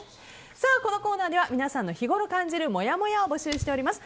このコーナーでは皆さんの日ごろ感じるもやもやを募集しております。